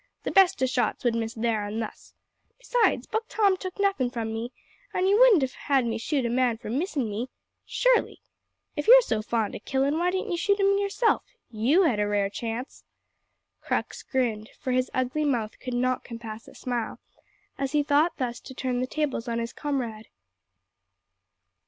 The best o' shots would miss thar an' thus. Besides, Buck Tom took nothin' from me, an' ye wouldn't have me shoot a man for missin' me surely. If you're so fond o' killin', why didn't you shoot him yourself? you had a rare chance!" Crux grinned for his ugly mouth could not compass a smile as he thought thus to turn the tables on his comrade.